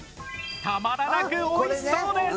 たまらなくおいしそうです！